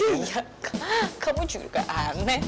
iya kamu juga aneh